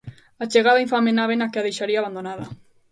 A chegada á infame nave na que a deixaría abandonada.